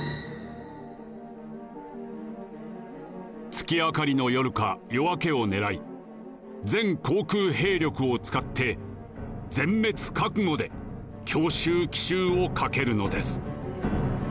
「月明かりの夜か夜明けを狙い全航空兵力を使って全滅覚悟で強襲奇襲をかけるのです」。